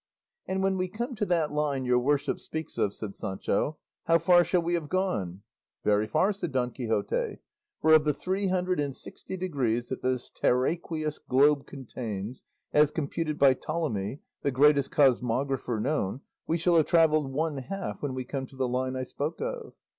"And when we come to that line your worship speaks of," said Sancho, "how far shall we have gone?" "Very far," said Don Quixote, "for of the three hundred and sixty degrees that this terraqueous globe contains, as computed by Ptolemy, the greatest cosmographer known, we shall have travelled one half when we come to the line I spoke of."